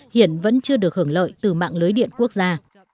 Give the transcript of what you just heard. hiện vẫn chưa được hưởng lợi từ mạng lưới điện quốc gia